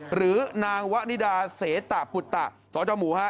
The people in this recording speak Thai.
หรือนางวะนิดาเสตะปุตตะสจหมูฮะ